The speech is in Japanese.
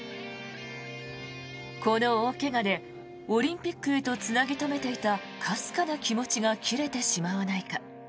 この大怪我でオリンピックへとつなぎ留めていたかすかな気持ちが切れてしまわないか。